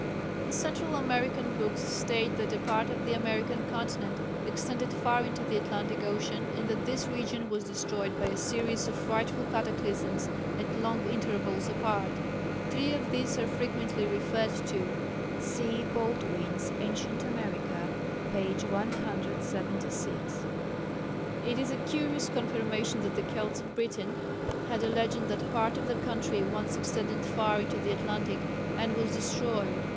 The Central American books state that a part of the American continent extended far into the Atlantic Ocean, and that this region was destroyed by a series of frightful cataclysms at long intervals apart. Three of these are frequently referred to (see Baldwin's Ancient America, p. 176). It is a curious confirmation that the Kelts of Britain had a legend that part of their country once extended far into the Atlantic and was destroyed.